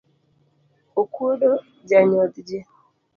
Okuodo janyodh ji.